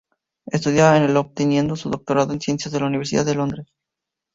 Estudia en el obteniendo su doctorado en ciencias en la Universidad de Londres.